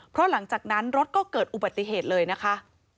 เพราะหลังจากนั้นรถก็เกิดอุบัติเหตุเลยนะคะ